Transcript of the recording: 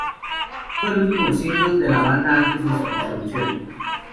Fue el último single de la banda antes de su disolución.